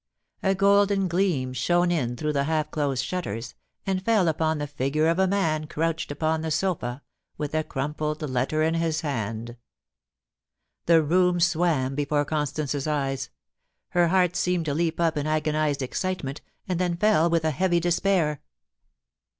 A golden gleam shone in through the halfclosed shutters, and fell upon the figure of a man crouched upon the sofa, with a crumpled letter in his hand. ^ IF I HA VE BEEN BAD TO YOU, IT IS ENDED.' 317 The room swam before Constance's eyes. Her heart seemed to leap up in agonised excitement, and then fell with a heavy despair.